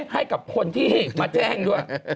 ให้กับคนที่มาแจ้งด้วย